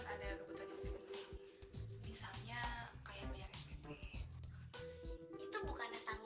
sobrfak style yang karrot rambut tetep seperti yakin ada hal lain lagi bisa untuk nya bangetistance